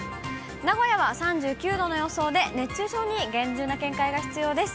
名古屋は３９度の予想で、熱中症に厳重な警戒が必要です。